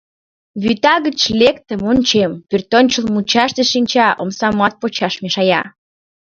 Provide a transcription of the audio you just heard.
Вӱта гыч лектым, ончем: пӧртӧнчыл мучаште шинча, омсамат почаш мешая.